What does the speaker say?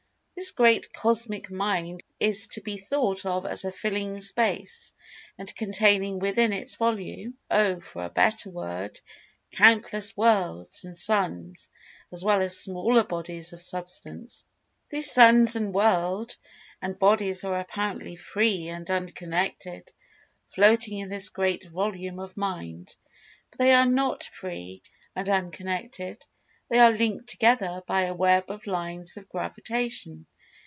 This great Cosmic Mind is to be thought of as filling Space, and containing within its volume (Oh, for a better word!) countless worlds, and suns, as well as smaller bodies of Substance.[Pg 186] These suns and world, and bodies are apparently free and unconnected, floating in this great volume of Mind. But they are not free and unconnected—they are linked together by a web of lines of Gravitation.